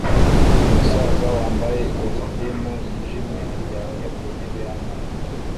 Umusaza wambaye ikositimu yijimye aryamye ku ntebe y'amazi